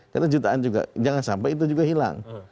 karena jutaan juga jangan sampai itu juga hilang